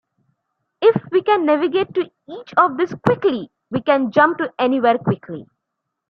If we can navigate to each of these quickly, we can jump to anywhere quickly.